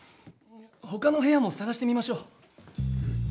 他の部屋も探してみましょう。